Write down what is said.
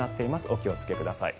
お気をつけください。